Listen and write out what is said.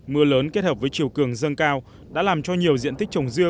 mưa lớn kết hợp với chiều cường dâng cao đã làm cho nhiều diện tích trồng dưa